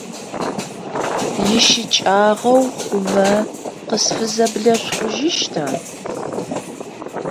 Ищыкӏагъэу хъумэ, къысфызэблэшъухъужьыщта?